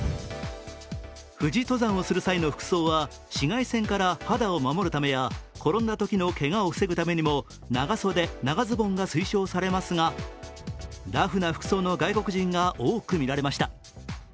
富士登山をする際の服装は紫外線から肌を守るためや転んだときのけがを防ぐためにも長袖長ズボンが推奨されますがラフな服装の外国人が多く見られました。